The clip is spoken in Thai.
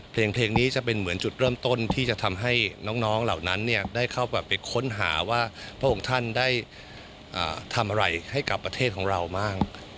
เพลงนี้จะเป็นเหมือนจุดเริ่มต้นที่จะทำให้น้องเหล่านั้นได้เข้าไปค้นหาว่าพระองค์ท่านได้ทำอะไรให้กับประเทศของเราบ้าง